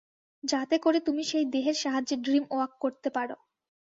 যাতে করে তুমি সেই দেহের সাহায্যে ড্রিমওয়াক করেতে পারো।